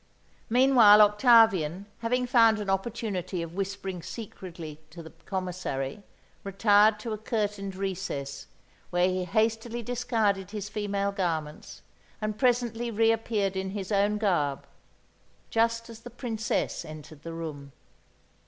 Meanwhile, Octavian, having found an opportunity of whispering secretly to the Commissary, retired to a curtained recess, where he hastily discarded his female garments, and presently reappeared in his own garb, just as the Princess entered the room.